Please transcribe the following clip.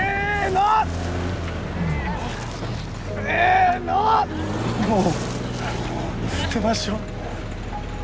もう捨てましょう。